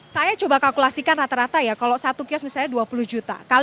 saya coba kalkulasikan rata rata ya kalau satu kios misalnya dua puluh juta